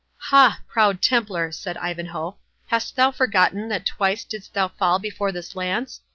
"Ha! proud Templar," said Ivanhoe, "hast thou forgotten that twice didst thou fall before this lance?